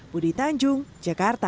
budi tanjung jakarta